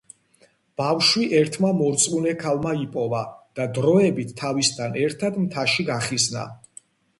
ბავშვი ერთმა მორწმუნე ქალმა იპოვა და დროებით თავისთან ერთად მთაში გახიზნა.